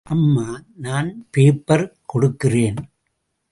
அம்மா, நான் பேப்பர் கொடுக்கிறேன்.